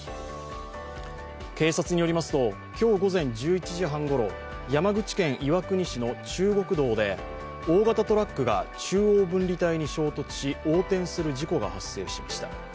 警察によりますと、今日午前１１時半ごろ山口県岩国市の中国道で大型トラックが中央分離帯に衝突し、横転する事故が発生しました。